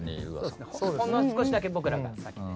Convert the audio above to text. ほんの少しだけ僕らが先。